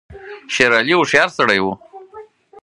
شېر علي هوښیار سړی وو.